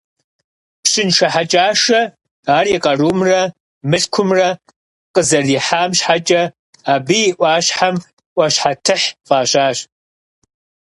Пщыншэ Хьэкӏашэ ар и къарумрэ мылъкумрэ къызэрихьам щхьэкӏэ абы и ӏуащхьэм «ӏуащхьэтыхь» фӏащащ.